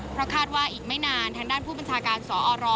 เพราะคาดว่าอีกไม่นานทางด้านผู้บัญชาการสอร